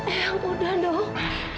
ayang sudah dong